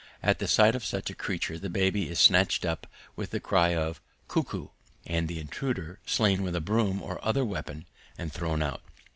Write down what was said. At the sight of such a creature the baby is snatched up with the cry of ku ku and the intruder slain with a broom or other weapon and thrown out.